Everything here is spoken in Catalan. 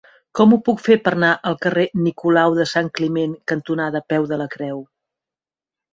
Com ho puc fer per anar al carrer Nicolau de Sant Climent cantonada Peu de la Creu?